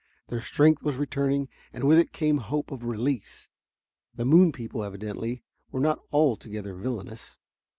Their strength was returning, and with it came hope of release. The moon people, evidently, were not altogether villainous.